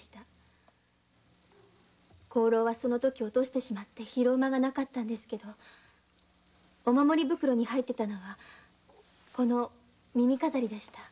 香炉はその時落としてしまい拾う間がなかったんですがお守り袋に入っていたのはこの耳飾りでした。